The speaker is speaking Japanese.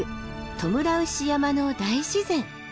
トムラウシ山の大自然。